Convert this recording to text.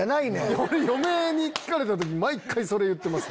俺嫁に聞かれた時毎回それ言ってます。